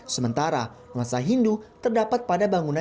sementara masa hindu terdapat pada bangunan jawa